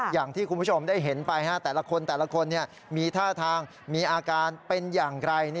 อย่างที่คุณผู้ชมได้เห็นไปแต่ละคนแต่ละคนมีท่าทางมีอาการเป็นอย่างไร